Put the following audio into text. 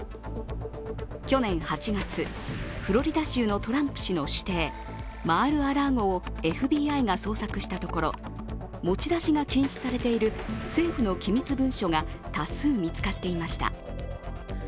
去年８月、フロリダ州のトランプ氏の私邸、マール・ア・ラーゴをＦＢＩが捜索したところ、持ち出しが禁止されている政府の機密文書が多数見つかっていました。